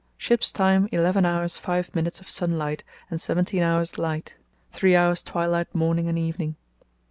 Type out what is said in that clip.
Ship's time eleven hours five minutes of sunlight and seventeen hours light. Three hours twilight morning and evening.